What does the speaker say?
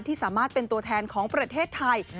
สามารถเป็นตัวแทนของประเทศไทย